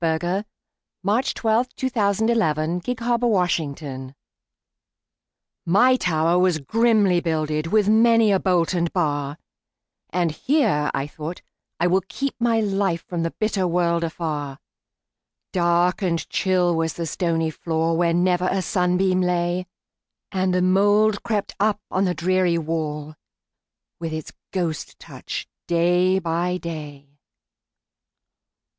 Edward Rowland Sill 1841–1887 Edward Rowland Sill 207 The Open Window MY tower was grimly builded, With many a bolt and bar,"And here," I thought, "I will keep my lifeFrom the bitter world afar."Dark and chill was the stony floor, Where never a sunbeam lay, And the mould crept up on the dreary wall, With its ghost touch, day by day.